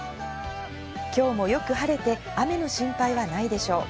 今日もよく晴れて雨の心配はないでしょう。